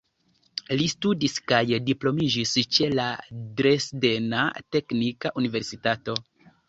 Li studis kaj diplomiĝis ĉe la Dresdena Teknika Universitato.